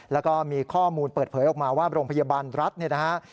แล้วก็มีข้อมูลเปิดเผยออกมาว่าโรงพยาบาลรัฐเนี่ยนะฮะ